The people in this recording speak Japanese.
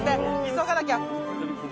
急がなきゃ。